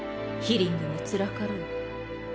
ヒリングもつらかろう。